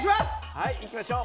はいいきましょう。